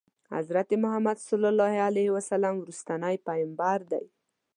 حضرت محمد صلی الله علیه وسلم وروستنی پیغمبر دی.